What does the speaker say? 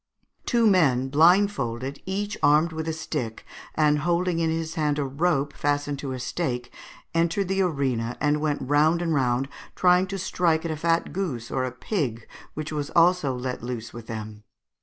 Two men, blindfolded, each armed with a stick, and holding in his hand a rope fastened to a stake, entered the arena, and went round and round trying to strike at a fat goose or a pig which was also let loose with them.